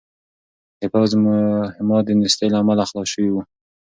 د پوځ مهمات د نېستۍ له امله خلاص شوي وو.